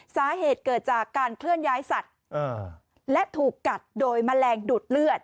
สาเหตุเกิดจากการเคลื่อนย้ายสัตว์และถูกกัดโดยแมลงดูดเลือด